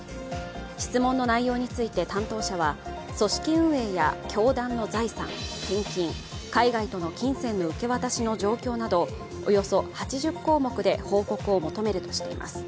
質問の内容について担当者は、組織運営や教団の財産、献金、海外との金銭の受け渡しの状況などおよそ８０項目で報告を求めるとしています。